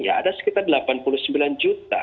ya ada sekitar delapan puluh sembilan juta